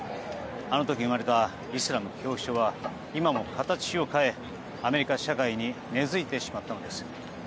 あの時生まれたイスラム恐怖症は今も形を変え、アメリカ社会に根付いてしまったのです。